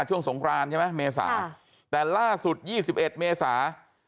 ช่วงสงครานใช่ไหมเมษาค่ะแต่ล่าสุดยี่สิบเอ็ดเมษา